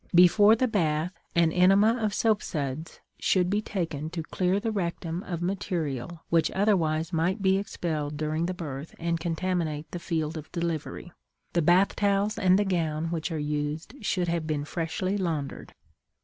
Before the bath an enema of soap suds should be taken to clear the rectum of material which otherwise might be expelled during the birth and contaminate the field of delivery. The bath towels and the gown which are used should have been freshly laundered.